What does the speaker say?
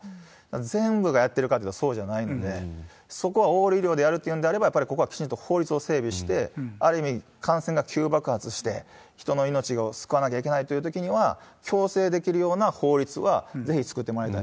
全部がやってるかというと、そうじゃないので、そこはオール医療でやるっていうんであればやっぱりここはきちんと法律を整備して、ある意味、感染が急爆発して、人の命を救わなきゃいけないというときには強制できるような法律はぜひ作ってもらいたい。